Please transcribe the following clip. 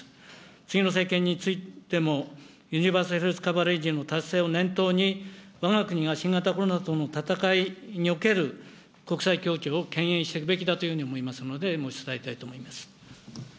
次の政権についても、ユニバーサル、達成を念頭に、わが国が新型コロナとの闘いにおける国際協調をけん引していくべきだというふうに思っておりますので、申し伝えたいと思います。